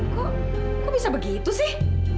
kok kok bisa begitu sih